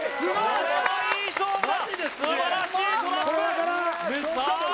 これはいい勝負だ素晴らしいトラップさあ